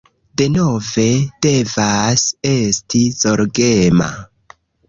Denove, devas esti zorgema